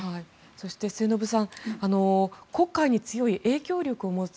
そして末延さん黒海に強い影響力を持つ